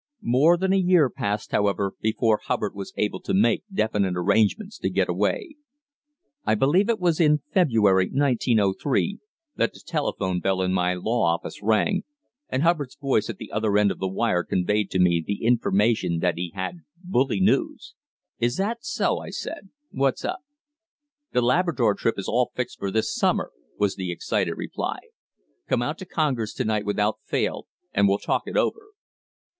More than a year passed, however, before Hubbard was able to make definite arrangements to get away. I believe it was in February, 1903, that the telephone bell in my law office rang, and Hubbard's voice at the other end of the wire conveyed to me the information that he had "bully news." "Is that so?" I said. "What's up? "The Labrador trip is all fixed for this summer," was the excited reply. "Come out to Congers to night without fail, and we'll talk it over."